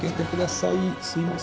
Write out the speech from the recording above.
すいません。